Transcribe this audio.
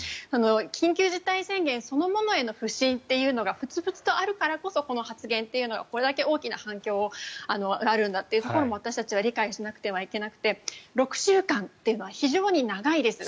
緊急事態宣言そのものへの不信というのがふつふつとあるからこそこの発言というのがこれだけ反響があるんだというところも私たちは理解しなくてはいけなくて６週間というのは非常に長いです。